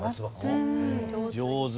上手。